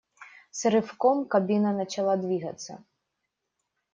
С рывком кабина начала двигаться.